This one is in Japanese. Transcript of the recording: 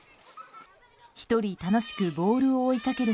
１人楽しくボールを追いかける